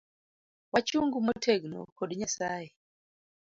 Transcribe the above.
Wachung motegno kod nyasaye